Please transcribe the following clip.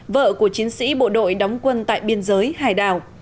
vợ của chiến sĩ bộ đội đóng quân tại biên giới hải đảo